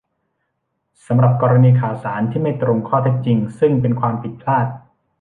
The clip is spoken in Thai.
สำหรับกรณีข่าวสารที่ไม่ตรงข้อเท็จจริง ซึ่งเป็นความผิดพลาด